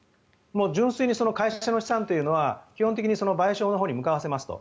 純粋に会社の資産というのは基本的に賠償のほうに向かわせますと。